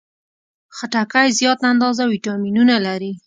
خټکی زیاته اندازه ویټامینونه لري.